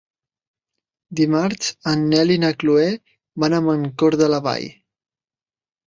Dimarts en Nel i na Chloé van a Mancor de la Vall.